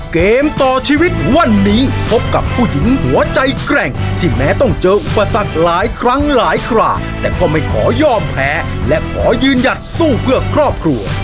เกมต่อชีวิตวันนี้พบกับผู้หญิงหัวใจแกร่งที่แม้ต้องเจออุปสรรคหลายครั้งหลายคราแต่ก็ไม่ขอยอมแพ้และขอยืนหยัดสู้เพื่อครอบครัว